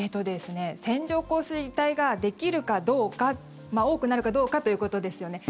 線状降水帯ができるかどうか多くなるかどうかということですよね。